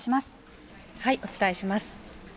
お伝えします。